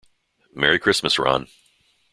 Merry Christmas Ron!